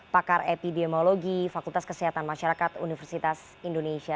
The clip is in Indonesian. pakar epidemiologi fakultas kesehatan masyarakat universitas indonesia